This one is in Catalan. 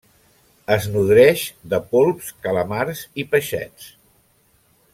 Es nodreix de polps, calamars i peixets.